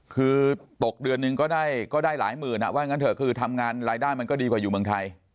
คือตกเดือนหนึ่งก็ได้หลายหมื่นว่างั้นเถอะคือทำงานรายได้มันก็ดีกว่าอยู่เมืองไทย